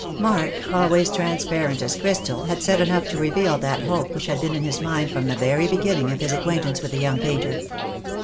Mark, always transparent as crystal, had said enough to reveal that hope which had been in his mind from the very beginning of his acquaintance with the young painter.